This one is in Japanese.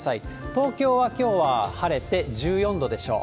東京はきょうは晴れて１４度でしょう。